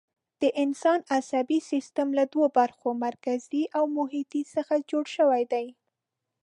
د انسان عصبي سیستم له دوو برخو، مرکزي او محیطي څخه جوړ شوی دی.